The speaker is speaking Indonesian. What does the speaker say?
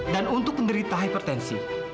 dan untuk penderita hipertensi